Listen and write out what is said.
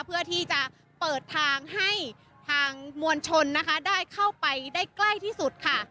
เพื่อที่จะเปิดทางให้ทางมวลชนนะคะได้เข้าไปได้ใกล้ที่สุดค่ะ